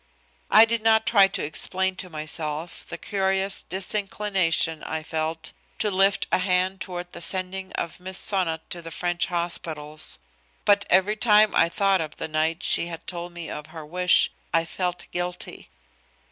I did not try to explain to myself the curious disinclination I felt to lift a hand toward the sending of Miss Sonnot to the French hospitals. But every time I thought of the night she had told me of her wish I felt guilty.